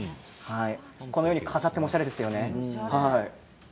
このように飾ってもおしゃれですよね。